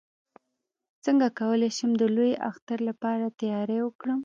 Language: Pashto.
څنګه کولی شم د لوی اختر لپاره تیاری وکړم